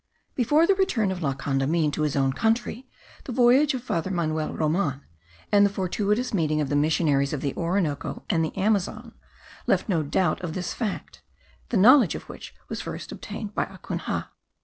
Before the return of La Condamine to his own country, the voyage of Father Manuel Roman, and the fortuitous meeting of the missionaries of the Orinoco and the Amazon, left no doubt of this fact, the knowledge of which was first obtained by Acunha.